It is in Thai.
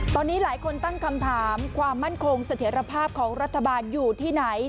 ตอนนี้หลายคนตั้งคำถามความมั่นคงเสถียรภาพของรัฐบาลอยู่ที่ไหน